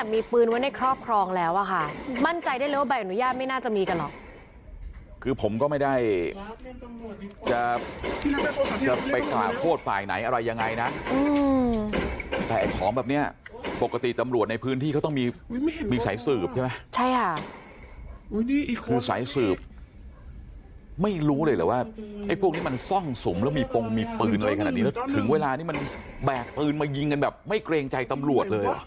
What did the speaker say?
มีปืนอะไรขนาดนี้แล้วถึงเวลานี้มันแบกปืนมายิงกันแบบไม่เกรงใจตำรวจเลย